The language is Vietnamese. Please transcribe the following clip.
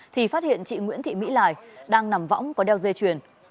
thì phát hiện chị nguyễn thị mỹ lài đang nằm võng có đeo dây chuyền